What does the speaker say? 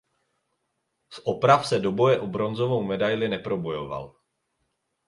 Z oprav se do boje o bronzovou medaili neprobojoval.